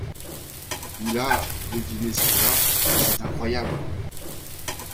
Il a… — Devinez ce qu’il a. — C’est incroyable !